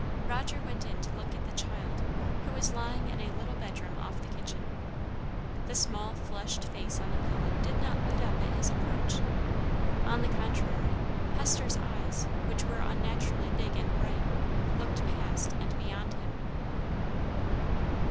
Roger went in to look at the child, who was lying in a little bedroom off the kitchen. The small, flushed face on the pillow did not light up at his approach. On the contrary, Hester's eyes, which were unnaturally big and bright, looked past and beyond him.